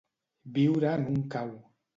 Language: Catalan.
Viure en un cau.